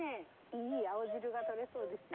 いい青汁が取れそうですよ。